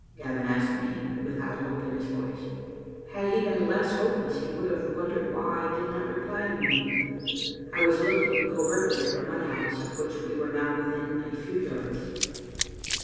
Gavin asked me, without hope in his voice. Had he been less hopeless he would have wondered why I did not reply immediately. I was looking covert ly at the mudhouse, of which we were now within a few yards.